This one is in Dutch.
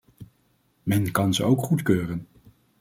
Men kan ze ook goedkeuren.